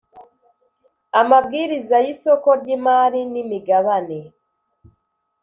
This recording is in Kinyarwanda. Amabwiriza y,isoko ry, imari n,imigabane